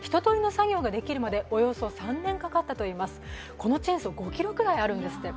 このチェーンソー、５ｋｇくらいあるんですって。